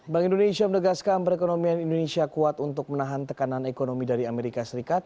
bank indonesia menegaskan perekonomian indonesia kuat untuk menahan tekanan ekonomi dari amerika serikat